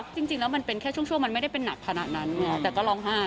จริงแล้วมันเป็นแค่ช่วงมันไม่ได้เป็นหนักขนาดนั้นไงแต่ก็ร้องไห้